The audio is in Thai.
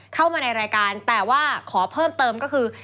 เข้ามาในรายการแต่ว่าขอเพิ่มเติมก็คือ